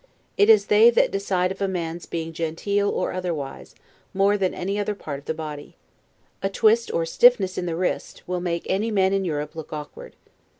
It is they that decide of a man's being genteel or otherwise, more than any other part of the body. A twist or stiffness in the wrist, will make any man in Europe look awkward.